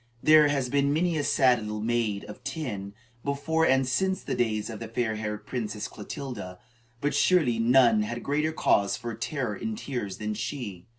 There has been many a sad little maid of ten, before and since the days of the fair haired Princess Clotilda, but surely none had greater cause for terror and tears than she.